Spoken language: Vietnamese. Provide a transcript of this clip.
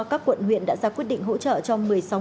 các quận huyện đã ra quyết định hỗ trợ cho